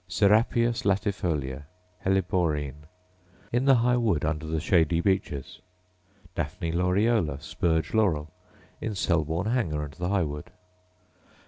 Serapias latifolia, helleborine, — in the High wood under the shady beeches. Daphne laureola, spurge laurel, — in Selborne Hanger and the High wood.